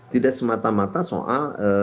tidak semata mata soal